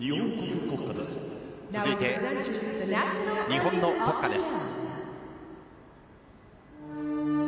続いて、日本の国歌です。